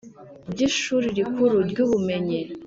By ishuri rikuru ry ubumenyi